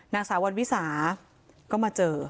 นางสาววันวิสาก็มาเจอ